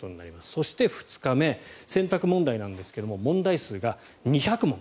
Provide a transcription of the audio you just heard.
そして、２日目選択問題なんですが問題数が２００問。